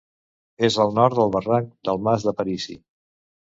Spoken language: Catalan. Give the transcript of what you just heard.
És al nord del barranc del Mas d'Aparici.